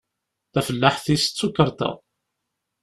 Tafellaḥt-is d tukarḍa.